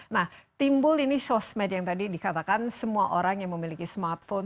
nah timbul ini sosmed yang tadi dikatakan semua orang yang memiliki smartphone